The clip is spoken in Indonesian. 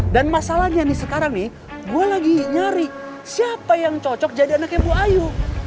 dan masalahnya nih sekarang nih gue lagi nyari siapa yang cocok jadi anaknya bu ayu